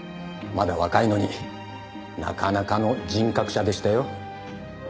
まだ若いのになかなかの人格者でしたよ。